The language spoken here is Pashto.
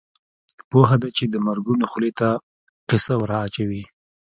پوهه ده چې د مرګونو خولې ته قیضه ور اچوي.